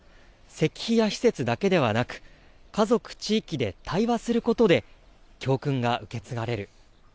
石碑や施設だけではなく、家族、地域で対話することで、教訓が受け継がれる。